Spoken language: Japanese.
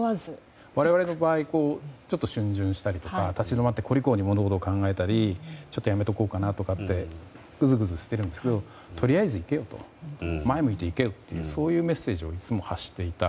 我々の場合ちょっと逡巡したり、立ち止まって考えたりちょっとやめておこうかなとかってうずうずしてるんですけど前を向いていけよというそういうメッセージをいつも発していた。